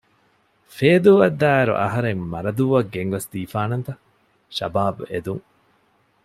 ފޭދޫއަށްދާއިރު އަހަރެން މަރަދޫއަށް ގެންގޮސްދީފާނަންތަ؟ ޝަބާބް އެދުން